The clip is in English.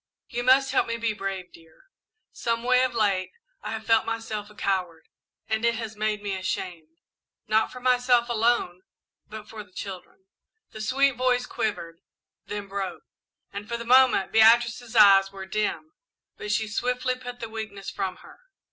"You must help me be brave, dear. Someway, of late, I have felt myself a coward, and it has made me ashamed. Not for myself alone, but for the children " The sweet voice quivered, then broke; and for the moment Beatrice's eyes were dim, but she swiftly put the weakness from her.